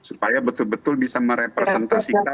supaya betul betul bisa merepresentasikan